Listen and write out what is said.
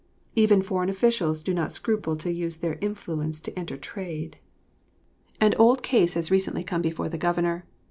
Even foreign officials did not scruple to use their influence to enter trade. An old case has recently come before the Governor.